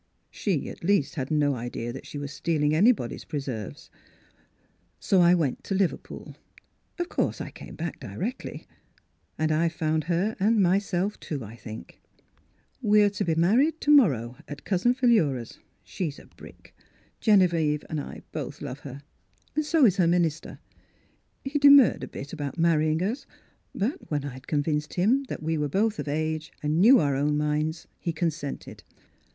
— She. at least, had no idea that she was stealing anybody's preserves. — So I went to Liverpool. Of course I came back directly, and I've found her and myself, too, I think. " We're to be married to morrow at Miss Fhilura's Wedding Gown Cousin Phllura's. — She's a brick ; Gene vieve and I both love her. So is her min ister. He demurred a bit about marry ing us but when I'd convinced him that we were both of age and knew our own minds he consented.